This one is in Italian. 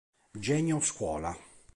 Genio Scuola.